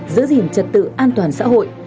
giữ gìn trật tự an toàn xã hội